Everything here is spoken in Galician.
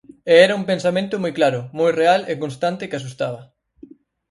E era un pensamento moi claro, moi real e constante que asustaba.